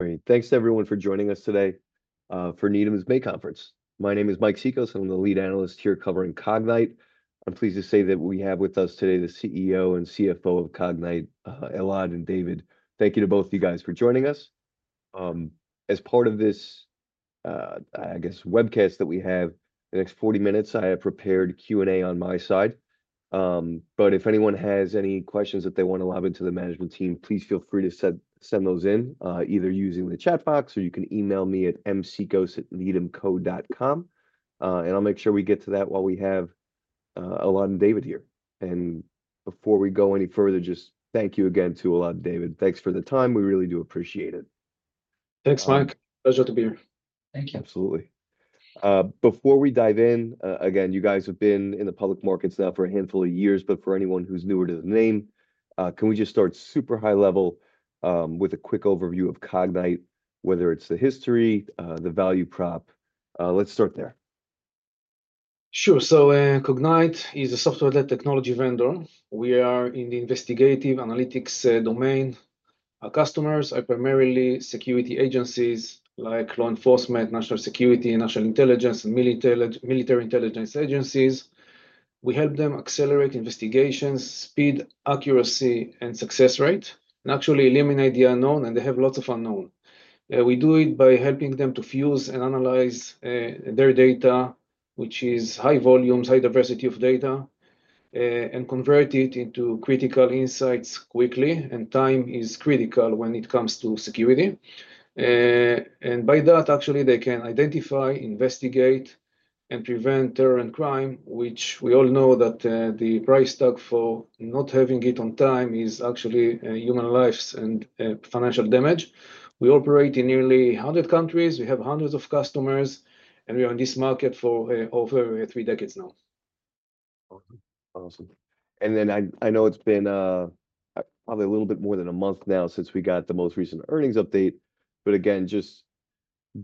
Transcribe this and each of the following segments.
Great. Thanks, everyone, for joining us today for Needham's May Conference. My name is Mike Cikos, and I'm the lead analyst here covering Cognyte. I'm pleased to say that we have with us today the CEO and CFO of Cognyte, Elad and David. Thank you to both of you guys for joining us. As part of this, I guess, webcast that we have the next 40 minutes, I have prepared Q&A on my side. If anyone has any questions that they want to lob into the management team, please feel free to send those in, either using the chat box, or you can email me at msikos@needhamco.com. I'll make sure we get to that while we have Elad and David here. Before we go any further, just thank you again to Elad and David. Thanks for the time. We really do appreciate it. Thanks, Mike. Pleasure to be here. Thank you. Absolutely. Before we dive in, again, you guys have been in the public markets now for a handful of years. But for anyone who's newer to the name, can we just start super high level with a quick overview of Cognyte, whether it's the history, the value prop? Let's start there. Sure. Cognyte is a software-led technology vendor. We are in the investigative analytics domain. Our customers are primarily security agencies like law enforcement, national security, national intelligence, and military intelligence agencies. We help them accelerate investigations, speed accuracy and success rate, and actually eliminate the unknown. They have lots of unknown. We do it by helping them to fuse and analyze their data, which is high volumes, high diversity of data, and convert it into critical insights quickly. Time is critical when it comes to security. By that, they can identify, investigate, and prevent terror and crime, which we all know that the price tag for not having it on time is actually human lives and financial damage. We operate in nearly 100 countries. We have hundreds of customers. We are in this market for over three decades now. Awesome. I know it's been probably a little bit more than a month now since we got the most recent earnings update. Again, just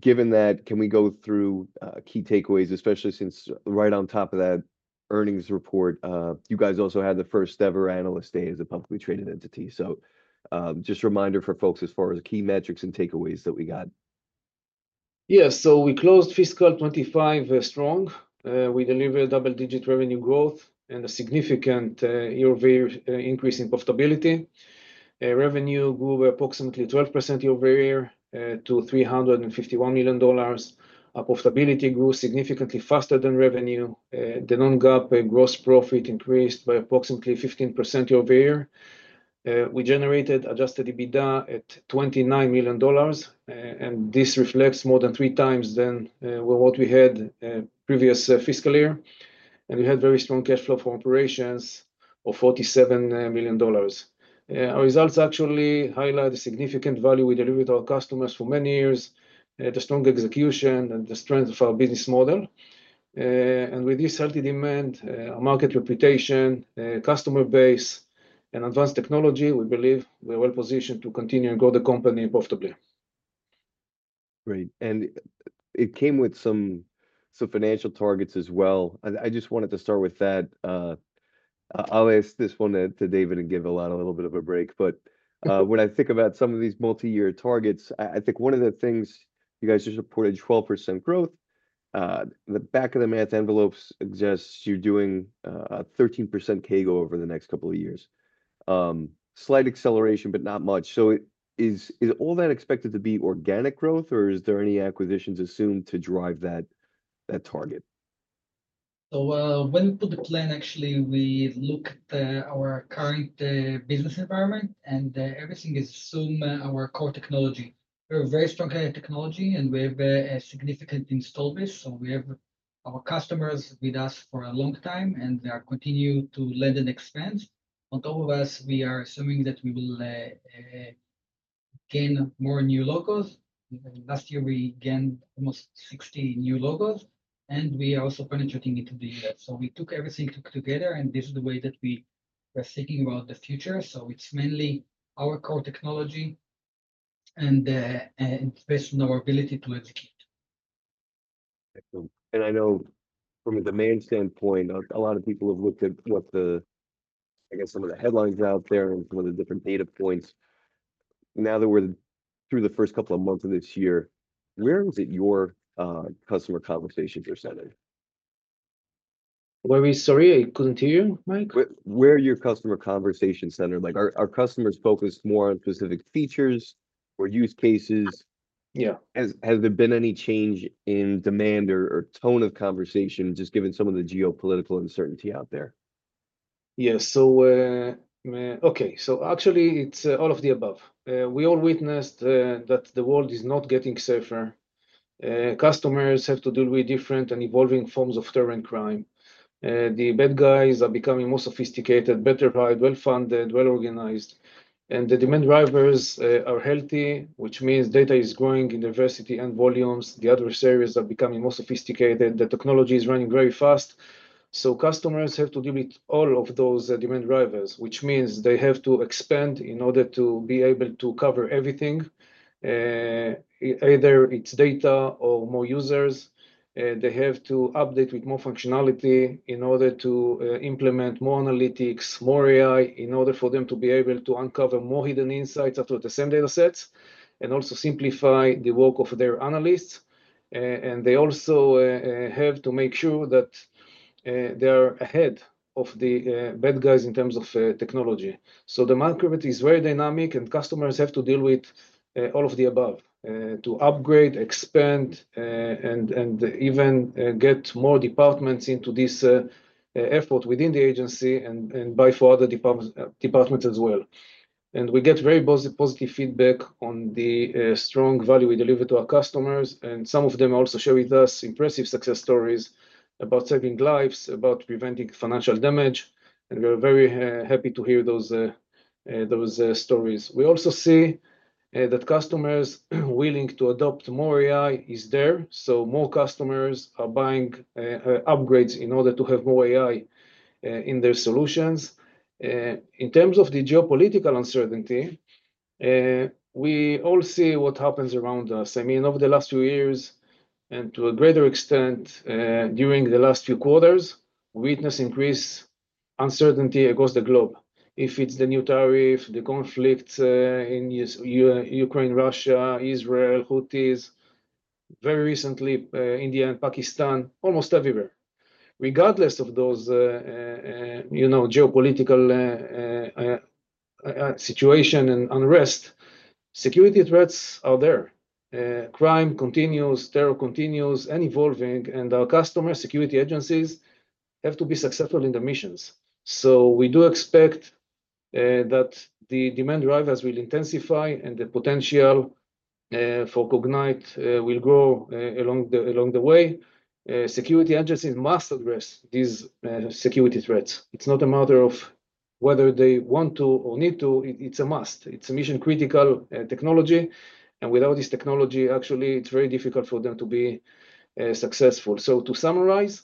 given that, can we go through key takeaways, especially since right on top of that earnings report, you guys also had the first-ever analyst day as a publicly traded entity. Just a reminder for folks as far as key metrics and takeaways that we got. Yeah. We closed fiscal 2025 strong. We delivered double-digit revenue growth and a significant year-over-year increase in profitability. Revenue grew by approximately 12% year-over-year to $351 million. Our profitability grew significantly faster than revenue. The non-GAAP gross profit increased by approximately 15% year-over-year. We generated adjusted EBITDA at $29 million. This reflects more than three times what we had previous fiscal year. We had very strong cash flow for operations of $47 million. Our results actually highlight the significant value we delivered to our customers for many years, the strong execution, and the strength of our business model. With this healthy demand, our market reputation, customer base, and advanced technology, we believe we're well positioned to continue and grow the company profitably. Great. It came with some financial targets as well. I just wanted to start with that. I'll ask this one to David and give Elad a little bit of a break. When I think about some of these multi-year targets, I think one of the things you guys just reported is 12% growth. The back of the math envelopes suggests you're doing a 13% CAGR over the next couple of years. Slight acceleration, but not much. Is all that expected to be organic growth, or is there any acquisitions assumed to drive that target? When we put the plan, actually, we looked at our current business environment, and everything is assumed our core technology. We're a very strong technology, and we have a significant install base. We have our customers with us for a long time, and they are continuing to lend and expand. On top of us, we are assuming that we will gain more new logos. Last year, we gained almost 60 new logos. We are also penetrating into the U.S.. We took everything together, and this is the way that we are thinking about the future. It's mainly our core technology and based on our ability to execute. Excellent. I know from the main standpoint, a lot of people have looked at what the, I guess, some of the headlines out there and some of the different data points. Now that we're through the first couple of months of this year, where is it your customer conversations are centered? Where is, sorry, continue? Where are your customer conversations centered? Are customers focused more on specific features or use cases? Yeah. Has there been any change in demand or tone of conversation, just given some of the geopolitical uncertainty out there? Yeah. Okay. Actually, it's all of the above. We all witnessed that the world is not getting safer. Customers have to deal with different and evolving forms of terror and crime. The bad guys are becoming more sophisticated, better hard, well-funded, well-organized. The demand drivers are healthy, which means data is growing in diversity and volumes. The adversaries are becoming more sophisticated. The technology is running very fast. Customers have to deal with all of those demand drivers, which means they have to expand in order to be able to cover everything. Either it's data or more users. They have to update with more functionality in order to implement more analytics, more AI in order for them to be able to uncover more hidden insights after the same data sets and also simplify the work of their analysts. They also have to make sure that they are ahead of the bad guys in terms of technology. The market is very dynamic, and customers have to deal with all of the above to upgrade, expand, and even get more departments into this effort within the agency and buy for other departments as well. We get very positive feedback on the strong value we deliver to our customers. Some of them also share with us impressive success stories about saving lives, about preventing financial damage. We are very happy to hear those stories. We also see that customers willing to adopt more AI is there. More customers are buying upgrades in order to have more AI in their solutions. In terms of the geopolitical uncertainty, we all see what happens around us. I mean, over the last few years and to a greater extent during the last few quarters, we witness increased uncertainty across the globe. If it's the new tariff, the conflict in Ukraine, Russia, Israel, Houthis, very recently, India, and Pakistan, almost everywhere. Regardless of those geopolitical situation and unrest, security threats are there. Crime continues, terror continues, and evolving. And our customer security agencies have to be successful in their missions. We do expect that the demand drivers will intensify and the potential for Cognyte will grow along the way. Security agencies must address these security threats. It's not a matter of whether they want to or need to. It's a must. It's a mission-critical technology. Without this technology, actually, it's very difficult for them to be successful. To summarize,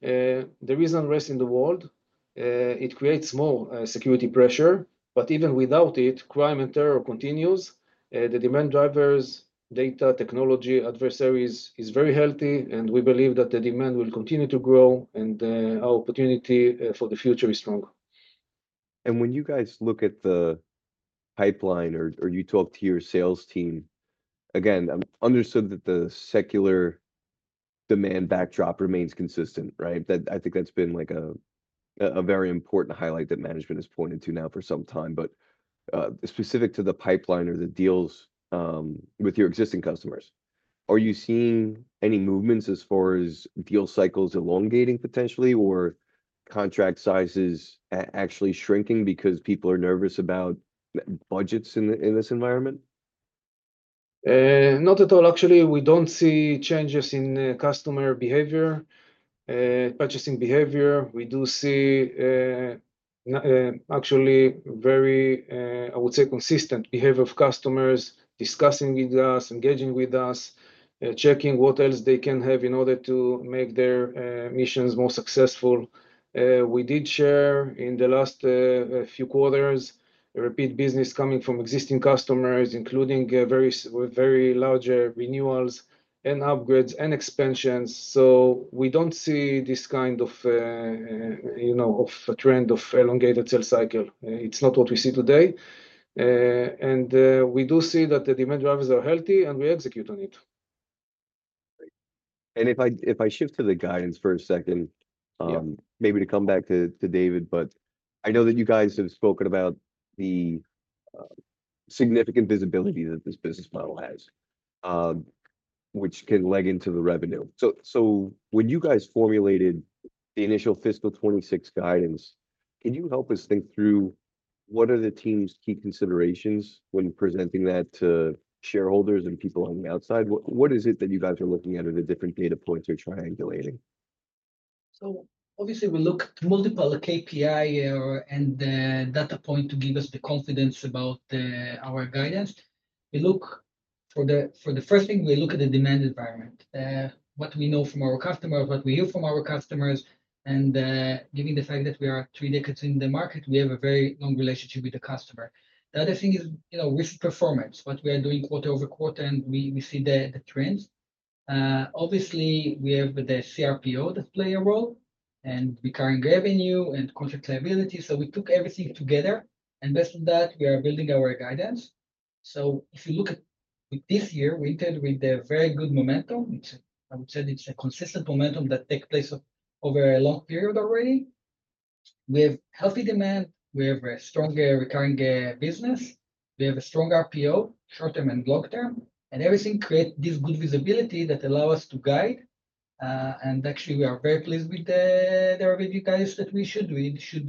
there is unrest in the world. It creates more security pressure. Even without it, crime and terror continues. The demand drivers, data, technology, adversaries is very healthy. We believe that the demand will continue to grow, and our opportunity for the future is strong. When you guys look at the pipeline or you talk to your sales team, again, I'm understood that the secular demand backdrop remains consistent, right? I think that's been like a very important highlight that management has pointed to now for some time. Specific to the pipeline or the deals with your existing customers, are you seeing any movements as far as deal cycles elongating potentially or contract sizes actually shrinking because people are nervous about budgets in this environment? Not at all. Actually, we do not see changes in customer behavior, purchasing behavior. We do see actually very, I would say, consistent behavior of customers discussing with us, engaging with us, checking what else they can have in order to make their missions more successful. We did share in the last few quarters a repeat business coming from existing customers, including very large renewals and upgrades and expansions. We do not see this kind of trend of elongated sales cycle. It is not what we see today. We do see that the demand drivers are healthy, and we execute on it. If I shift to the guidance for a second, maybe to come back to David, but I know that you guys have spoken about the significant visibility that this business model has, which can leg into the revenue. When you guys formulated the initial fiscal 2026 guidance, can you help us think through what are the team's key considerations when presenting that to shareholders and people on the outside? What is it that you guys are looking at at the different data points you're triangulating? Obviously, we look at multiple KPI error and data points to give us the confidence about our guidance. We look for the first thing, we look at the demand environment, what we know from our customers, what we hear from our customers. Given the fact that we are three decades in the market, we have a very long relationship with the customer. The other thing is risk performance, what we are doing quarter-over-quarter, and we see the trends. We have the CRPO that plays a role and recurring revenue and contract liability. We took everything together. Based on that, we are building our guidance. If you look at this year, we entered with a very good momentum. I would say it's a consistent momentum that takes place over a long period already. We have healthy demand. We have a strong recurring business. We have a strong RPO, short term and long term. Everything creates this good visibility that allows us to guide. Actually, we are very pleased with the revenue guidance that we issued. We issued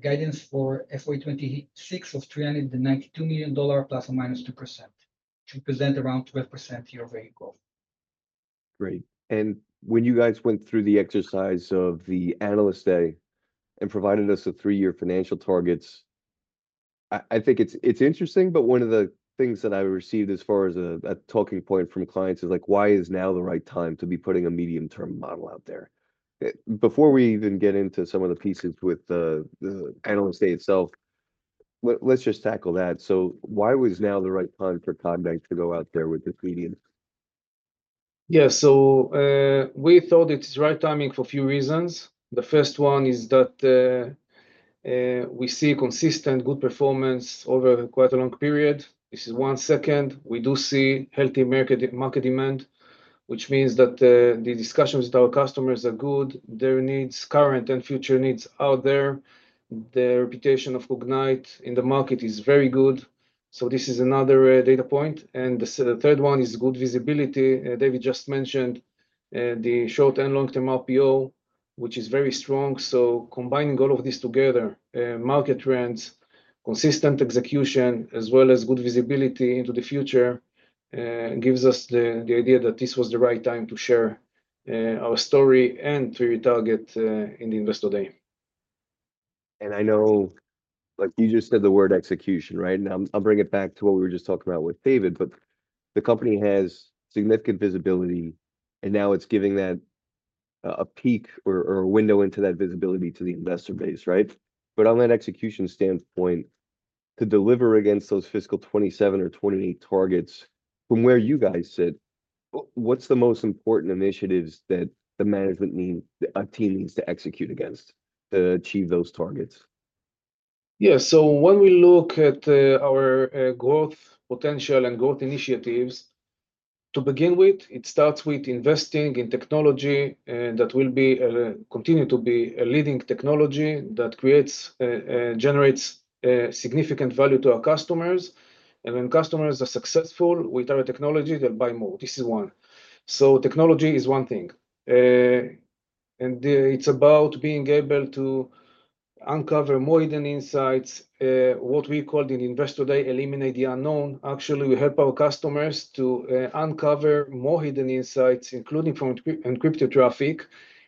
guidance for FY2026 of $392 million ±2%, which would present around 12% year-over-year growth. Great. When you guys went through the exercise of the analyst day and provided us with three-year financial targets, I think it's interesting. One of the things that I received as far as a talking point from clients is like, why is now the right time to be putting a medium-term model out there? Before we even get into some of the pieces with the analyst day itself, let's just tackle that. Why was now the right time for Cognyte to go out there with this medium? Yeah. We thought it's the right timing for a few reasons. The first one is that we see consistent good performance over quite a long period. This is one. Second, we do see healthy market demand, which means that the discussions with our customers are good. Their needs, current and future needs, are out there. The reputation of Cognyte in the market is very good. This is another data point. The third one is good visibility. David just mentioned the short and long-term RPO, which is very strong. Combining all of this together, market trends, consistent execution, as well as good visibility into the future, gives us the idea that this was the right time to share our story and to retarget in the investor day. I know you just said the word execution, right? I'll bring it back to what we were just talking about with David. The company has significant visibility, and now it's giving that a peek or a window into that visibility to the investor base, right? On that execution standpoint, to deliver against those fiscal 2027 or 2028 targets, from where you guys sit, what's the most important initiatives that the management team, the team needs to execute against to achieve those targets? Yeah. When we look at our growth potential and growth initiatives, to begin with, it starts with investing in technology that will continue to be a leading technology that creates and generates significant value to our customers. When customers are successful with our technology, they'll buy more. This is one. Technology is one thing. It's about being able to uncover more hidden insights, what we called in investor day, eliminate the unknown. Actually, we help our customers to uncover more hidden insights, including from encrypted traffic,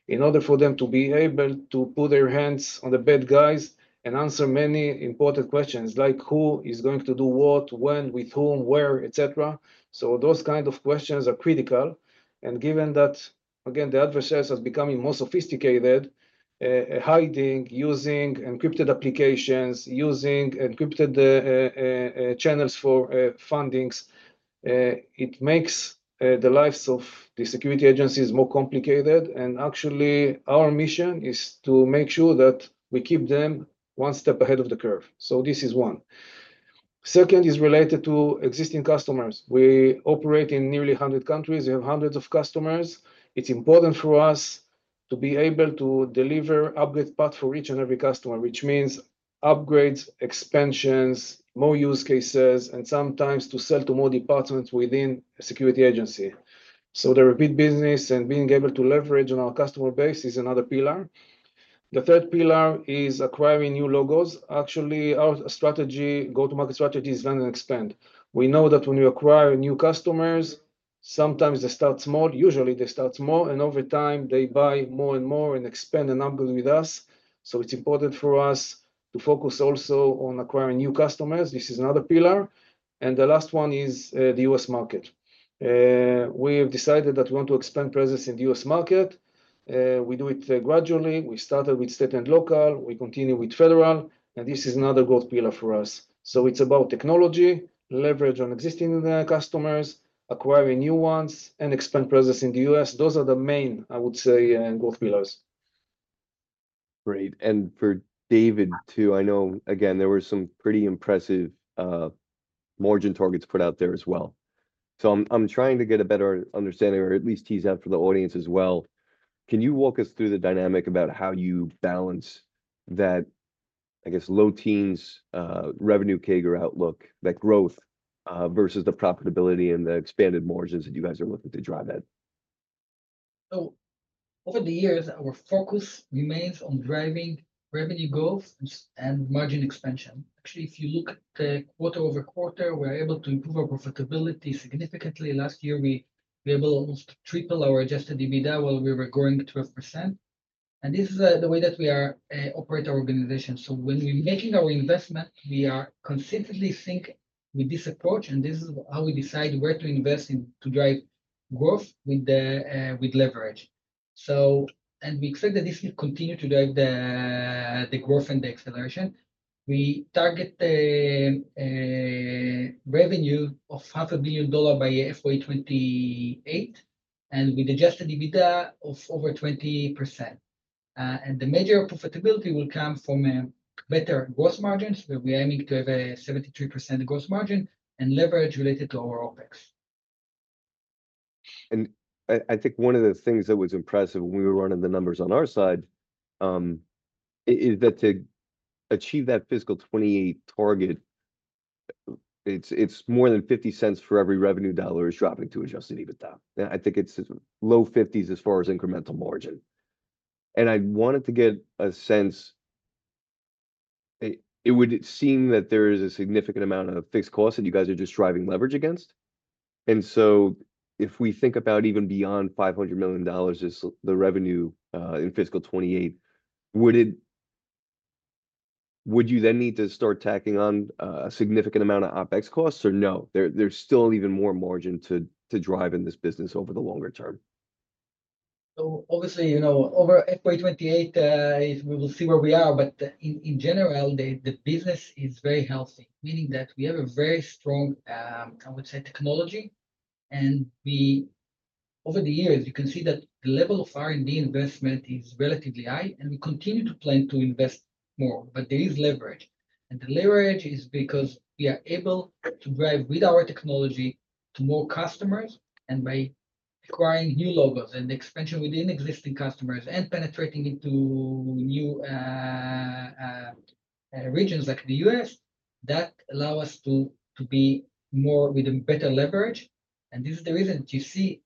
in order for them to be able to put their hands on the bad guys and answer many important questions like who is going to do what, when, with whom, where, et cetera. Those kinds of questions are critical. Given that, again, the adversaries are becoming more sophisticated, hiding, using encrypted applications, using encrypted channels for fundings, it makes the lives of the security agencies more complicated. Actually, our mission is to make sure that we keep them one step ahead of the curve. This is one. Second is related to existing customers. We operate in nearly 100 countries. We have hundreds of customers. It is important for us to be able to deliver upgrade path for each and every customer, which means upgrades, expansions, more use cases, and sometimes to sell to more departments within a security agency. The repeat business and being able to leverage on our customer base is another pillar. The third pillar is acquiring new logos. Actually, our strategy, go-to-market strategy, is learn and expand. We know that when you acquire new customers, sometimes they start small. Usually, they start small. Over time, they buy more and more and expand and upgrade with us. It is important for us to focus also on acquiring new customers. This is another pillar. The last one is the U.S. market. We have decided that we want to expand presence in the U.S. market. We do it gradually. We started with state and local. We continue with federal. This is another growth pillar for us. It is about technology, leverage on existing customers, acquiring new ones, and expand presence in the U.S.. Those are the main, I would say, growth pillars. Great. For David too, I know, again, there were some pretty impressive margin targets put out there as well. I am trying to get a better understanding or at least tease out for the audience as well. Can you walk us through the dynamic about how you balance that, I guess, low teens, revenue CAGR outlook, that growth versus the profitability and the expanded margins that you guys are looking to drive at? Over the years, our focus remains on driving revenue growth and margin expansion. Actually, if you look at the quarter-over-quarter, we're able to improve our profitability significantly. Last year, we were able to almost triple our adjusted EBITDA while we were growing 12%. This is the way that we operate our organization. When we're making our investment, we are consistently thinking with this approach. This is how we decide where to invest to drive growth with leverage. We expect that this will continue to drive the growth and the acceleration. We target revenue of $500,000,000 by FY2028 and adjusted EBITDA of over 20%. The major profitability will come from better gross margins. We're aiming to have a 73% gross margin and leverage related to our OPEX. I think one of the things that was impressive when we were running the numbers on our side is that to achieve that fiscal 2028 target, it's more than $0.50 for every revenue dollar is dropping to adjusted EBITDA. I think it's low 50% as far as incremental margin. I wanted to get a sense, it would seem that there is a significant amount of fixed costs that you guys are just driving leverage against. If we think about even beyond $500 million as the revenue in fiscal 2028, would you then need to start tacking on a significant amount of OPEX costs or no? There's still even more margin to drive in this business over the longer term? Obviously, over FY 2028, we will see where we are. In general, the business is very healthy, meaning that we have a very strong, I would say, technology. Over the years, you can see that the level of R&D investment is relatively high. We continue to plan to invest more. There is leverage, and the leverage is because we are able to drive with our technology to more customers. By acquiring new logos and expansion within existing customers and penetrating into new regions like the US, that allows us to be more with a better leverage. This is the reason you see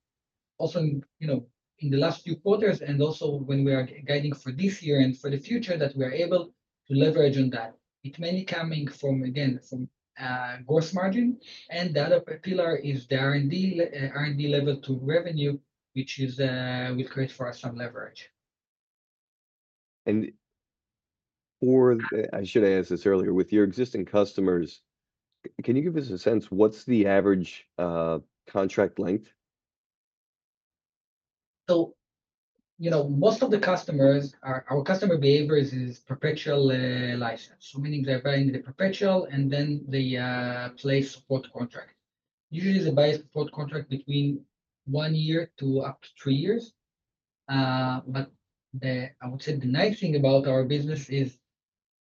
also in the last few quarters and also when we are guiding for this year and for the future that we are able to leverage on that. It may be coming from, again, from gross margin. The other pillar is the R&D level to revenue, which will create for us some leverage. I should ask this earlier. With your existing customers, can you give us a sense what's the average contract length? Most of the customers, our customer behavior is perpetual license. Meaning they're buying the perpetual, and then they place support contracts. Usually, they buy support contract between one year to up to three years. I would say the nice thing about our business is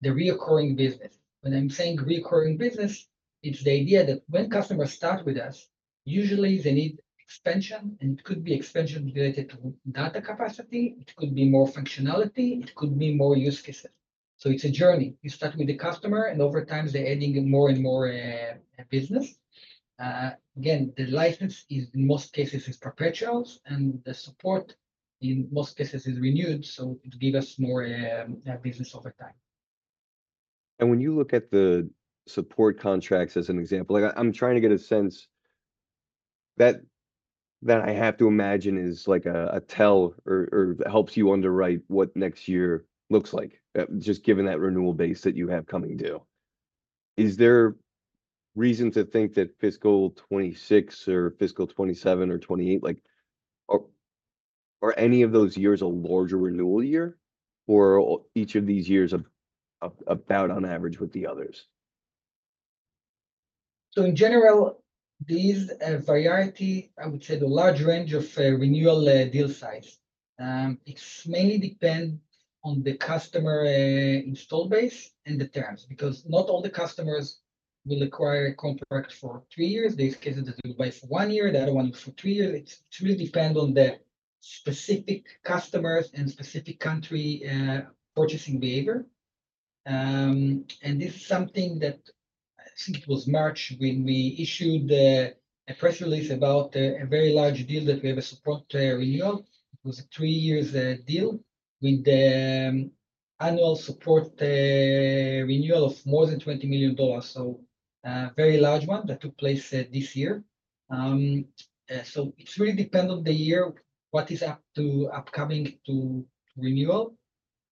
the reoccurring business. When I'm saying reoccurring business, it's the idea that when customers start with us, usually they need expansion. It could be expansion related to data capacity. It could be more functionality. It could be more use cases. It's a journey. You start with the customer, and over time, they're adding more and more business. Again, the license in most cases is perpetuals. The support in most cases is renewed. It gives us more business over time. When you look at the support contracts as an example, I'm trying to get a sense that I have to imagine is like a tell or helps you underwrite what next year looks like, just given that renewal base that you have coming due. Is there reason to think that fiscal 2026 or fiscal 2027 or 2028, are any of those years a larger renewal year? Or are each of these years about on average with the others? In general, these variety, I would say the large range of renewal deal size, it mainly depends on the customer install base and the terms. Because not all the customers will acquire a contract for three years. There are cases that will buy for one year. The other one is for three years. It truly depends on the specific customers and specific country purchasing behavior. This is something that I think it was March when we issued a press release about a very large deal that we have a support renewal. It was a three-year deal with annual support renewal of more than $20 million. A very large one that took place this year. It really depends on the year, what is upcoming to renewal.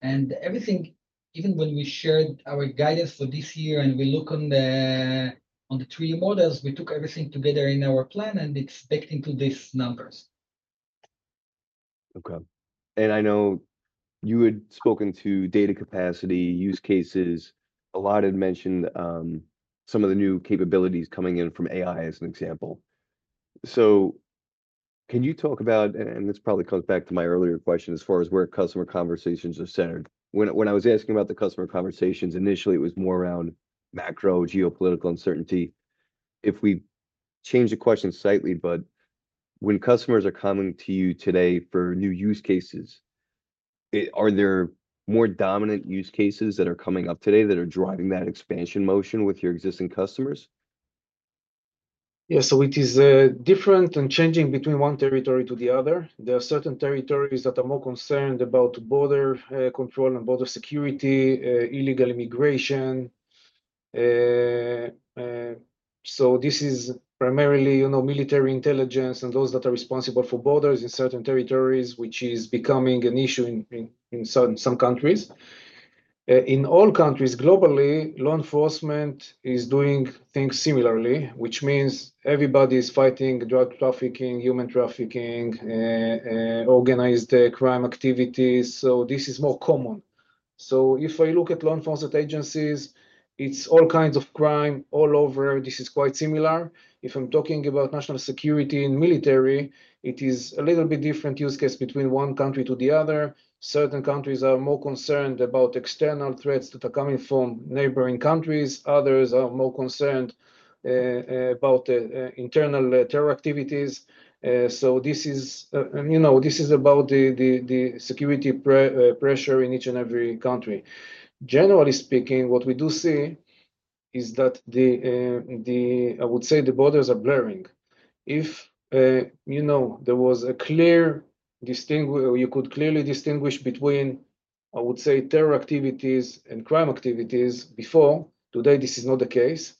Everything, even when we shared our guidance for this year and we look on the three models, we took everything together in our plan, and it's baked into these numbers. Okay. I know you had spoken to data capacity, use cases. A lot had mentioned some of the new capabilities coming in from AI as an example. Can you talk about, and this probably comes back to my earlier question as far as where customer conversations are centered. When I was asking about the customer conversations, initially, it was more around macro geopolitical uncertainty. If we change the question slightly, when customers are coming to you today for new use cases, are there more dominant use cases that are coming up today that are driving that expansion motion with your existing customers? Yeah. It is different and changing between one territory to the other. There are certain territories that are more concerned about border control and border security, illegal immigration. This is primarily military intelligence and those that are responsible for borders in certain territories, which is becoming an issue in some countries. In all countries globally, law enforcement is doing things similarly, which means everybody is fighting drug trafficking, human trafficking, organized crime activities. This is more common. If I look at law enforcement agencies, it is all kinds of crime all over. This is quite similar. If I am talking about national security and military, it is a little bit different use case between one country to the other. Certain countries are more concerned about external threats that are coming from neighboring countries. Others are more concerned about internal terror activities. This is about the security pressure in each and every country. Generally speaking, what we do see is that, I would say, the borders are blurring. If there was a clear distinguish, or you could clearly distinguish between, I would say, terror activities and crime activities before, today, this is not the case.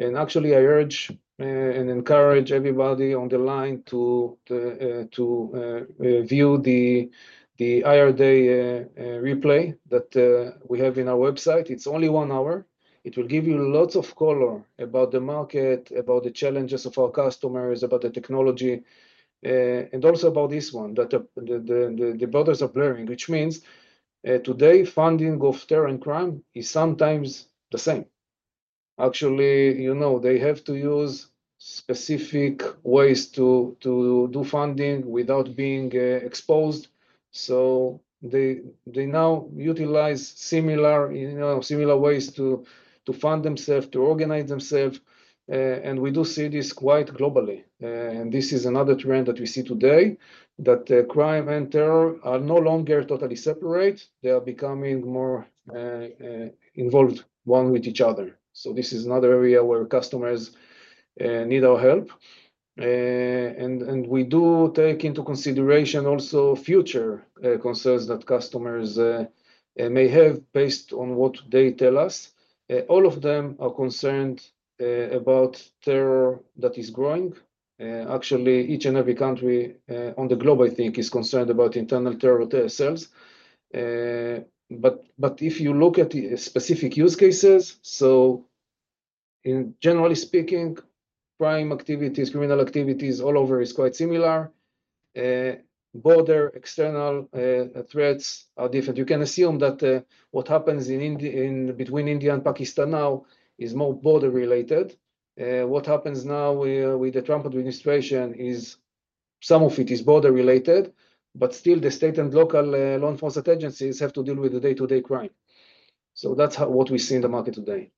Actually, I urge and encourage everybody on the line to view the IRD replay that we have in our website. It is only one hour. It will give you lots of color about the market, about the challenges of our customers, about the technology, and also about this one, that the borders are blurring, which means today, funding of terror and crime is sometimes the same. Actually, they have to use specific ways to do funding without being exposed. They now utilize similar ways to fund themselves, to organize themselves. We do see this quite globally. This is another trend that we see today, that crime and terror are no longer totally separate. They are becoming more involved one with each other. This is another area where customers need our help. We do take into consideration also future concerns that customers may have based on what they tell us. All of them are concerned about terror that is growing. Actually, each and every country on the globe, I think, is concerned about internal terror themselves. If you look at specific use cases, generally speaking, crime activities, criminal activities all over is quite similar. Border external threats are different. You can assume that what happens between India and Pakistan now is more border related. What happens now with the Trump administration is some of it is border related. Still, the state and local law enforcement agencies have to deal with the day-to-day crime. So that's what we see in the market today.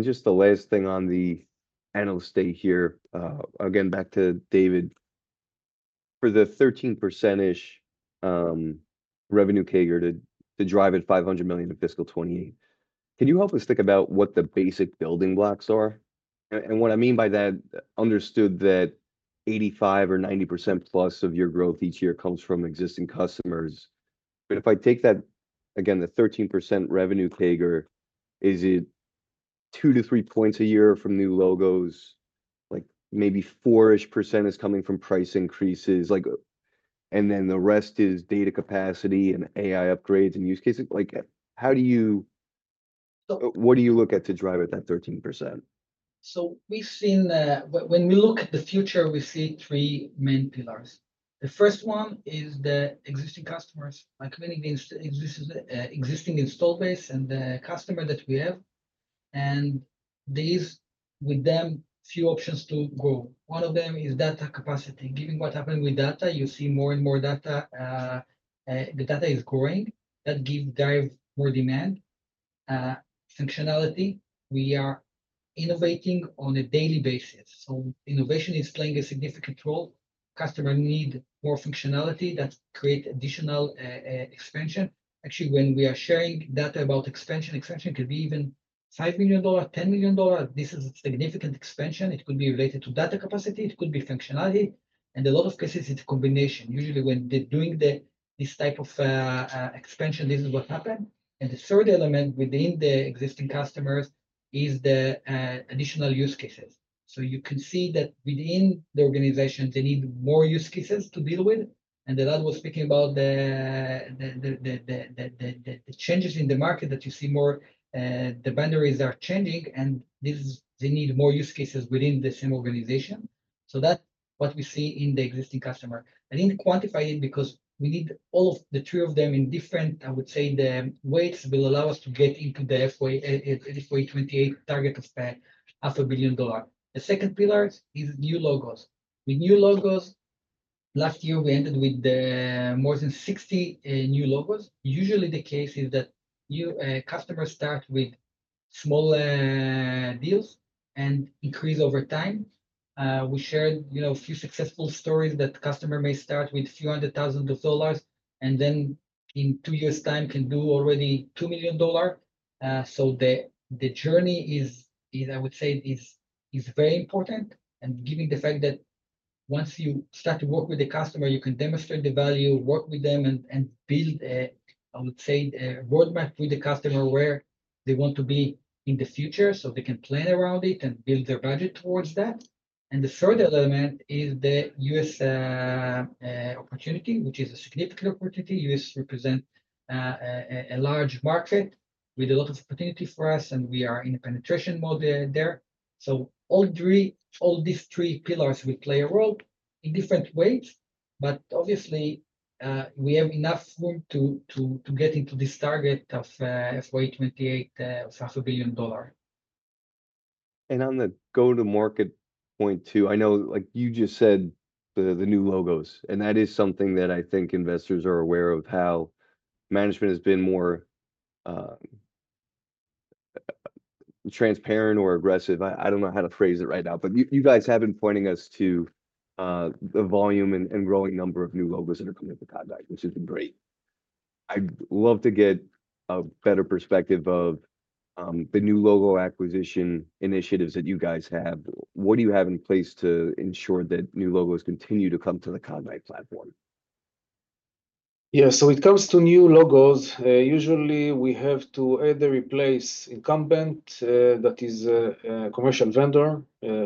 Just the last thing on the analyst day here, again, back to David. For the 13%-ish revenue CAGR to drive at $500 million in fiscal 2028, can you help us think about what the basic building blocks are? What I mean by that, understood that 85% or 90%+ of your growth each year comes from existing customers. If I take that, again, the 13% revenue CAGR, is it two to three points a year from new logos? Maybe four-ish % is coming from price increases. The rest is data capacity and AI upgrades and use cases. How do you look at to drive at that 13%? We've seen that when we look at the future, we see three main pillars. The first one is the existing customers, like many existing install base and the customer that we have. There is with them few options to grow. One of them is data capacity. Given what happened with data, you see more and more data. The data is growing. That drives more demand. Functionality, we are innovating on a daily basis. Innovation is playing a significant role. Customers need more functionality that creates additional expansion. Actually, when we are sharing data about expansion, expansion could be even $5 million, $10 million. This is a significant expansion. It could be related to data capacity. It could be functionality. In a lot of cases, it's a combination. Usually, when they're doing this type of expansion, this is what happens. The third element within the existing customers is the additional use cases. You can see that within the organization, they need more use cases to deal with. Elad was speaking about the changes in the market that you see more. The boundaries are changing. They need more use cases within the same organization. That is what we see in the existing customer. I did not quantify it because we need all three of them in different, I would say, the weights will allow us to get into the FY 2028 target of $500,000,000. The second pillar is new logos. With new logos, last year, we ended with more than 60 new logos. Usually, the case is that new customers start with small deals and increase over time. We shared a few successful stories that customers may start with a few hundred thousand dollars and then in two years' time can do already $2 million. The journey, I would say, is very important. Given the fact that once you start to work with the customer, you can demonstrate the value, work with them, and build, I would say, a roadmap with the customer where they want to be in the future so they can plan around it and build their budget towards that. The third element is the U.S. opportunity, which is a significant opportunity. The U.S. represents a large market with a lot of opportunity for us. We are in a penetration mode there. All these three pillars will play a role in different ways. Obviously, we have enough room to get into this target of FY 2028 of $500,000,000. On the go-to-market point too, I know you just said the new logos. That is something that I think investors are aware of, how management has been more transparent or aggressive. I do not know how to phrase it right now. You guys have been pointing us to the volume and growing number of new logos that are coming into contact, which has been great. I would love to get a better perspective of the new logo acquisition initiatives that you guys have. What do you have in place to ensure that new logos continue to come to the Cognyte platform? Yeah. So when it comes to new logos, usually, we have to either replace incumbent that is a commercial vendor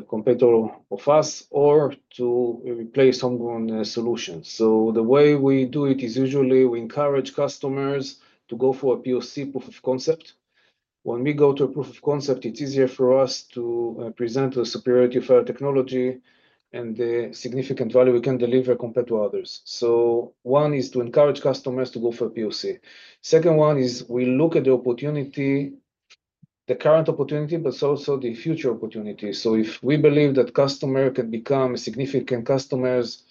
competitor of us or to replace someone's solution. The way we do it is usually we encourage customers to go for a POC, proof of concept. When we go to a proof of concept, it's easier for us to present the superiority of our technology and the significant value we can deliver compared to others. One is to encourage customers to go for a POC. Second one is we look at the opportunity, the current opportunity, but also the future opportunity. If we believe that customers can become significant customers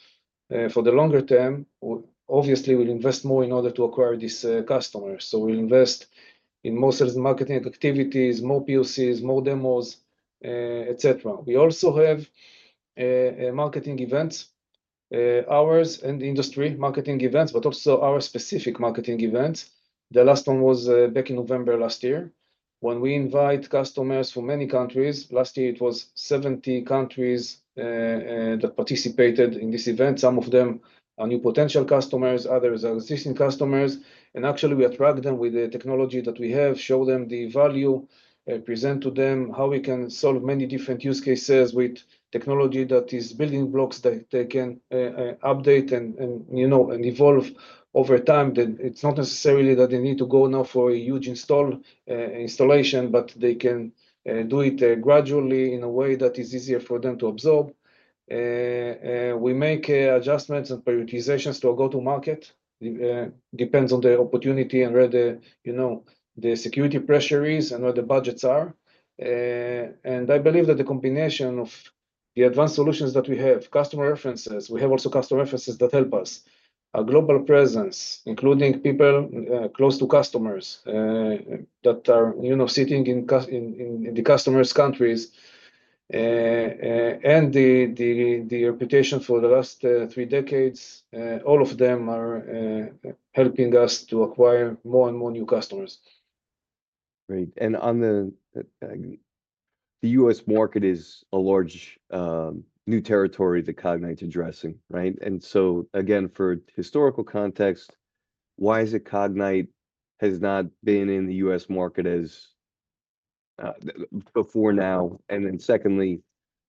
for the longer term, obviously, we'll invest more in order to acquire these customers. We'll invest in more sales and marketing activities, more POCs, more demos, et cetera. We also have marketing events, ours and industry marketing events, but also our specific marketing events. The last one was back in November last year when we invited customers from many countries. Last year, it was 70 countries that participated in this event. Some of them are new potential customers. Others are existing customers. Actually, we attract them with the technology that we have, show them the value, present to them how we can solve many different use cases with technology that is building blocks that they can update and evolve over time. It's not necessarily that they need to go now for a huge installation, but they can do it gradually in a way that is easier for them to absorb. We make adjustments and prioritizations to a go-to-market. It depends on the opportunity and where the security pressure is and where the budgets are. I believe that the combination of the advanced solutions that we have, customer references, we have also customer references that help us, a global presence, including people close to customers that are sitting in the customer's countries, and the reputation for the last three decades, all of them are helping us to acquire more and more new customers. Great. The U.S. market is a large new territory that Cognyte is addressing, right? For historical context, why is it Cognyte has not been in the U.S. market before now? Secondly,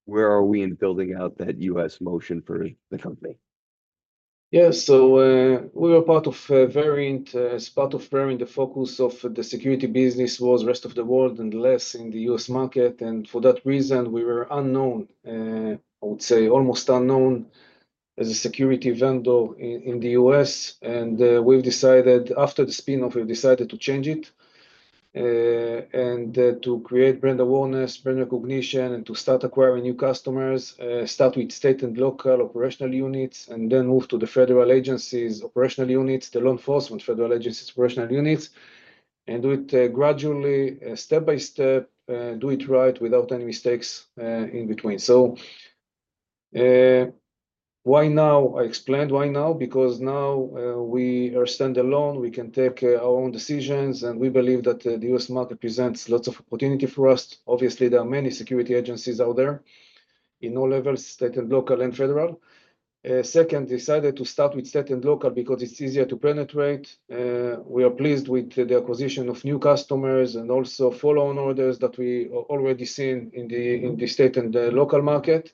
where are we in building out that U.S. motion for the company? Yeah. So we were part of Verint. Part of Verint, the focus of the security business was rest of the world and less in the U.S. market. For that reason, we were unknown, I would say, almost unknown as a security vendor in the U.S.. We've decided after the spin-off, we've decided to change it and to create brand awareness, brand recognition, and to start acquiring new customers, start with state and local operational units, and then move to the federal agencies' operational units, the law enforcement federal agencies' operational units, and do it gradually, step by step, do it right without any mistakes in between. Why now? I explained why now. Because now we are standalone. We can take our own decisions. We believe that the U.S. market presents lots of opportunity for us. Obviously, there are many security agencies out there in all levels, state and local and federal. Second, decided to start with state and local because it's easier to penetrate. We are pleased with the acquisition of new customers and also follow-on orders that we already seen in the state and local market.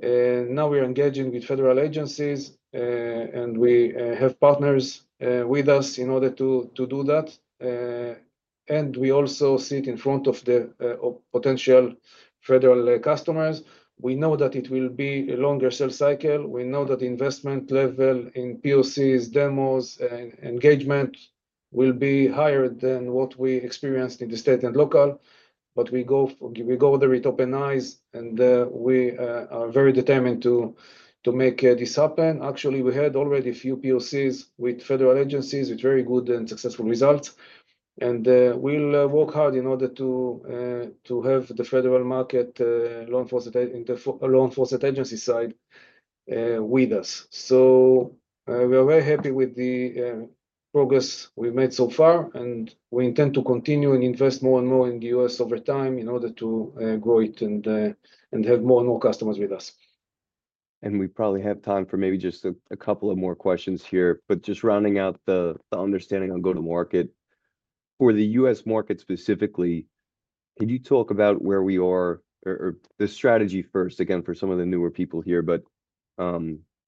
Now we are engaging with federal agencies. We have partners with us in order to do that. We also sit in front of the potential federal customers. We know that it will be a longer sales cycle. We know that the investment level in POCs, demos, and engagement will be higher than what we experienced in the state and local. We go there with open eyes. We are very determined to make this happen. Actually, we had already a few POCs with federal agencies with very good and successful results. We will work hard in order to have the federal market law enforcement agency side with us. We are very happy with the progress we have made so far. We intend to continue and invest more and more in the U.S. over time in order to grow it and have more and more customers with us. We probably have time for maybe just a couple of more questions here. Just rounding out the understanding on go-to-market for the U.S. market specifically, can you talk about where we are or the strategy first, again, for some of the newer people here?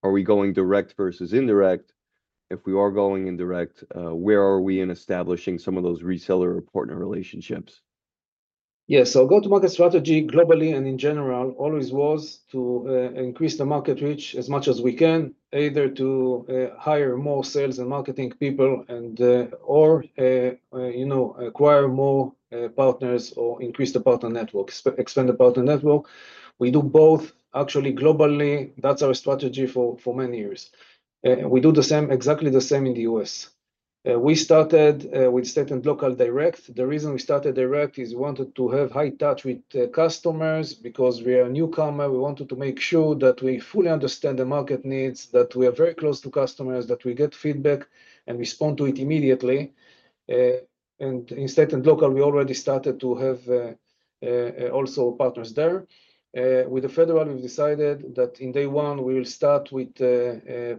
Are we going direct versus indirect? If we are going indirect, where are we in establishing some of those reseller or partner relationships? Yeah. Go-to-market strategy globally and in general always was to increase the market reach as much as we can, either to hire more sales and marketing people or acquire more partners or increase the partner network, expand the partner network. We do both. Actually, globally, that is our strategy for many years. We do the same, exactly the same in the U.S.. We started with state and local direct. The reason we started direct is we wanted to have high touch with customers because we are a newcomer. We wanted to make sure that we fully understand the market needs, that we are very close to customers, that we get feedback and respond to it immediately. In state and local, we already started to have also partners there. With the federal, we've decided that in day one, we will start with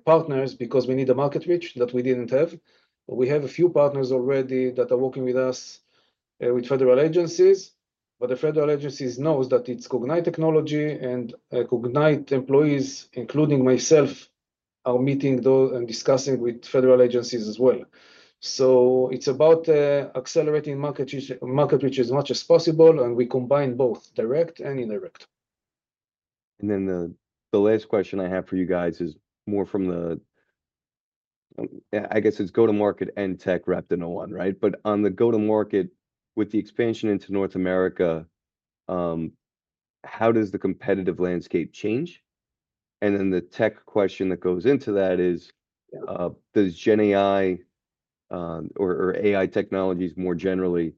partners because we need the market reach that we didn't have. We have a few partners already that are working with us with federal agencies. The federal agencies know that it's Cognyte technology. Cognyte employees, including myself, are meeting and discussing with federal agencies as well. It is about accelerating market reach as much as possible. We combine both direct and indirect. The last question I have for you guys is more from the, I guess it's go-to-market and tech wrapped in one, right? On the go-to-market with the expansion into North America, how does the competitive landscape change? The tech question that goes into that is, does GenAI or AI technologies more generally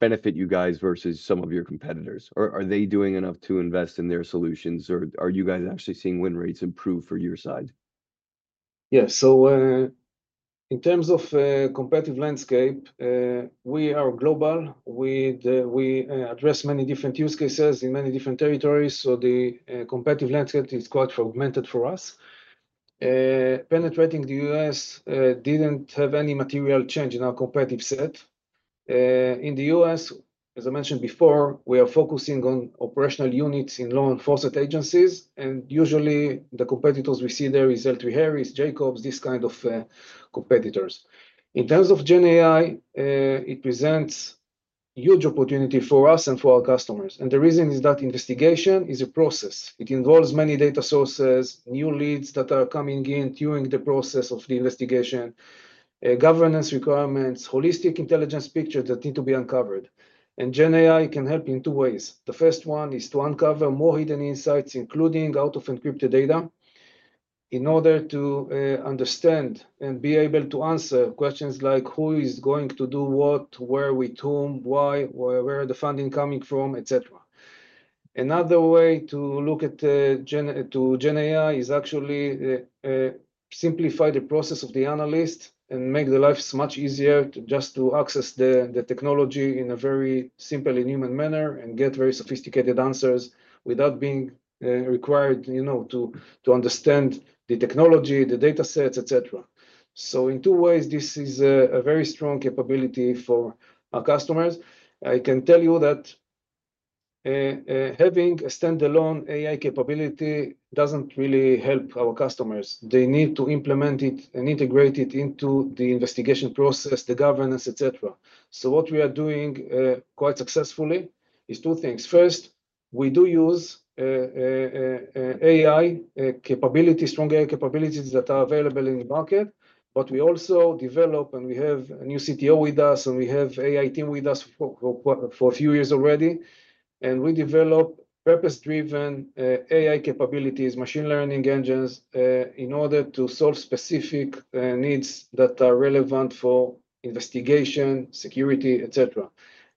benefit you guys versus some of your competitors? Are they doing enough to invest in their solutions? Are you guys actually seeing win rates improve for your side? Yeah. In terms of competitive landscape, we are global. We address many different use cases in many different territories. The competitive landscape is quite fragmented for us. Penetrating the U.S. did not have any material change in our competitive set. In the U.S., as I mentioned before, we are focusing on operational units in law enforcement agencies. Usually, the competitors we see there are Eldred Harris, Jacobs, these kinds of competitors. In terms of GenAI, it presents a huge opportunity for us and for our customers. The reason is that investigation is a process. It involves many data sources, new leads that are coming in during the process of the investigation, governance requirements, holistic intelligence pictures that need to be uncovered. GenAI can help in two ways. The first one is to uncover more hidden insights, including out-of-encrypted data, in order to understand and be able to answer questions like who is going to do what, where we turn, why, where are the funding coming from, et cetera. Another way to look at GenAI is actually to simplify the process of the analyst and make their lives much easier just to access the technology in a very simple and human manner and get very sophisticated answers without being required to understand the technology, the data sets, et cetera. In two ways, this is a very strong capability for our customers. I can tell you that having a standalone AI capability does not really help our customers. They need to implement it and integrate it into the investigation process, the governance, et cetera. What we are doing quite successfully is two things. First, we do use AI capabilities, strong AI capabilities that are available in the market. We also develop, and we have a new CTO with us, and we have an AI team with us for a few years already. We develop purpose-driven AI capabilities, machine learning engines in order to solve specific needs that are relevant for investigation, security, et cetera.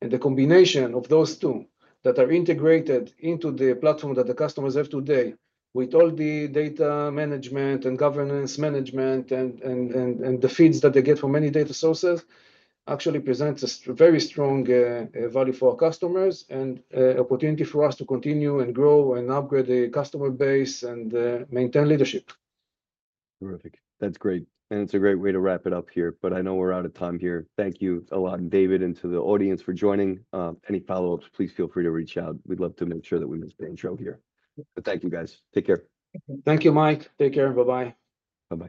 The combination of those two that are integrated into the platform that the customers have today with all the data management and governance management and the feeds that they get from many data sources actually presents a very strong value for our customers and opportunity for us to continue and grow and upgrade the customer base and maintain leadership. Terrific. That's great. It's a great way to wrap it up here. I know we're out of time here. Thank you a lot, David, and to the audience for joining. Any follow-ups, please feel free to reach out. We'd love to make sure that we missed the intro here. Thank you, guys. Take care. Thank you, Mike. Take care. Bye-bye. Bye-bye.